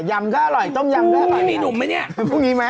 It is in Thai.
ใช่ชั่วผมเดียวกับกุ๊บกรีบ